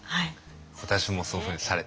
私もそういうふうにされてました。